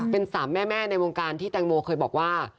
เป็นสามแม่แม่ในวงการที่แตงโมเคยบอกว่า